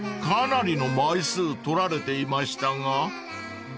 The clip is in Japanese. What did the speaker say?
［かなりの枚数撮られていましたが］